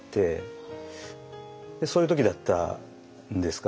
そういう時だったんですかね。